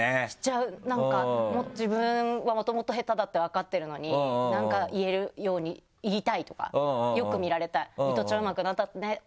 なんか自分はもともと下手だって分かってるのに何か言えるように言いたいとか良く見られたい。